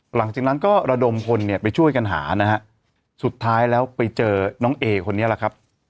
หลังจากนั้นก็ระดมคนเนี่ยไปช่วยกันหานะฮะสุดท้ายแล้วไปเจอน้องเอคนนี้แหละครับ